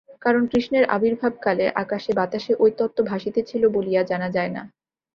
কারণ কৃষ্ণের আবির্ভাবকালে আকাশে বাতাসে ঐ তত্ত্ব ভাসিতেছিল বলিয়া জানা যায় না।